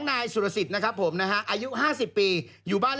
๖๒๔๐นะครับ